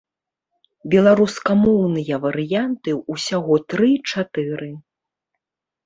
Беларускамоўныя варыянты усяго тры-чатыры.